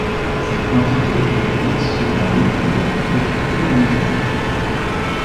Cette quantité est calculée sur la moyenne de tout le troupeau d'un éleveur.